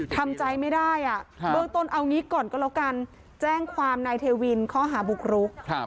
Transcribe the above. ทำใจไม่ได้อ่ะเบื้องต้นเอางี้ก่อนก็แล้วกันแจ้งความนายเทวินข้อหาบุกรุก